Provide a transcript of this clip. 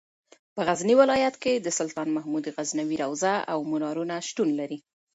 په غزني ولایت کې د سلطان محمود غزنوي روضه او منارونه شتون لري.